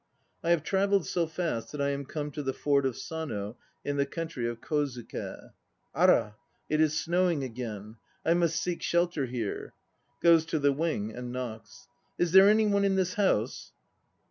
I have travelled so fast that I am come to the Ford of Sano in the country of Kozuke. Ara! It is snowing again. I must seek shelter here. (Goes to the wing and knocks.) Is there anyone in this house?